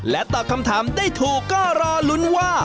ตอบคำถามได้ถูกก็รอลุ้นว่า